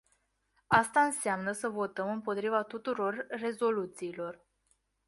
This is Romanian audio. Asta înseamnă să votăm împotriva tuturor rezoluțiilor.